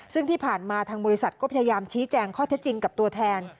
ซึ่งที่ผ่านมาทางบริษัทก็พยายามชี้แจงข้อเท็จจริงกับตัวแทน